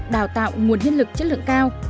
đào tạo nguồn nhân lực chất lượng cao